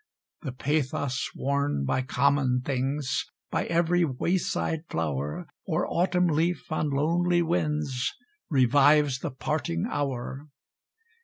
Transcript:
The pathos worn by common things by every wayside flower, Or Autumn leaf on lonely winds, revives the parting hour.